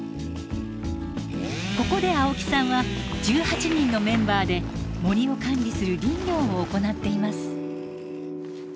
ここで青木さんは１８人のメンバーで森を管理する林業を行っています。